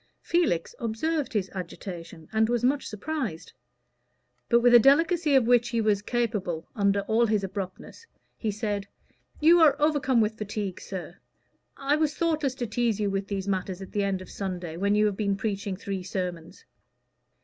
Felix observed his agitation, and was much surprised; but with a delicacy of which he was capable under all his abruptness, he said, "You are overcome with fatigue, sir. I was thoughtless to tease you with these matters at the end of Sunday, when you have been preaching three sermons."